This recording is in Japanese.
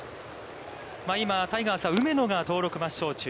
今タイガースは梅野の登録抹消中。